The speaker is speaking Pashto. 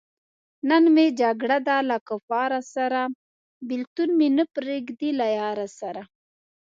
نن مې جګړه ده له کفاره سره- بېلتون مې نه پریېږدی له یاره سره